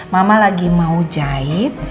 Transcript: mama lagi mau jahit